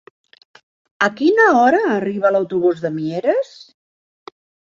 A quina hora arriba l'autobús de Mieres?